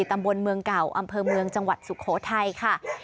ตำบลเมืองเก่าอำเภอเมืองจังหวัดสุโขทัยค่ะ